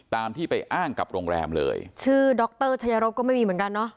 ตามที่ไปอ้างกับโรงแรมเลยชื่อดรชัยรบก็ไม่มีเหมือนกันเนอะ